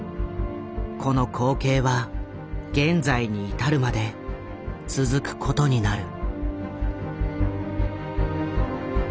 この光景は現在に至るまで続くことになる。